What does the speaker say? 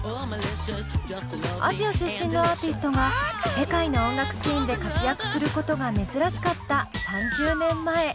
アジア出身のアーティストが世界の音楽シーンで活躍することが珍しかった３０年前。